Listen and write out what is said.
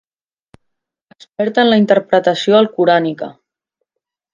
Expert en la interpretació alcorànica.